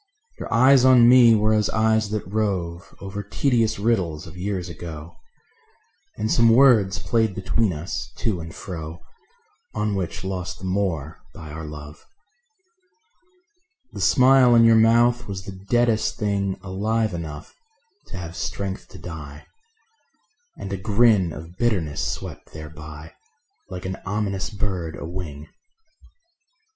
Your eyes on me were as eyes that rove Over tedious riddles of years ago; And some words played between us to and fro On which lost the more by our love. The smile on your mouth was the deadest thing Alive enough to have strength to die; And a grin of bitterness swept thereby Like an ominous bird a wing. .